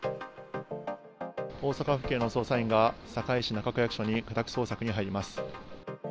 大阪府警の捜査員が、堺市中区役所に家宅捜索に入ります。